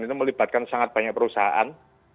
itu melibatkan sangat banyak perusahaan